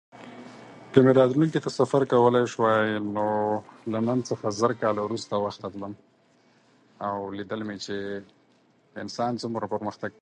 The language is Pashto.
که مې راتلونکي ته سفر کولای شوای، نو له نن څخه زر کاله وروسته وخت ته تلم او ليدل مې چې انسان څومره پرمختګ